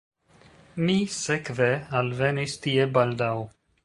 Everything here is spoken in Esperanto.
Mi sekve alvenis tie baldaŭ.